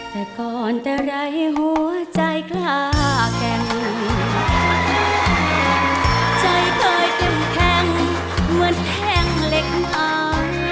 แต่ก่อนแต่ไรหัวใจกล้าแก่งใจเคยเข้มแข็งเหมือนแท่งเหล็กเหงา